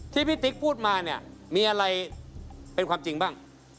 ที่พี่ติ๊กพูดมาเนี่ยมีอะไรเป็นความจริงบ้าง